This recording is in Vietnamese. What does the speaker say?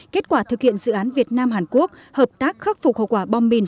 kết quả thực hiện dự án việt nam hàn quốc hợp tác khắc phục hậu quả bom mìn